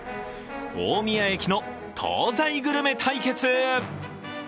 大宮駅の東西グルメ対決。